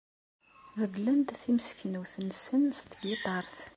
Beddlen-d timseknewt-nsen s tgiṭart.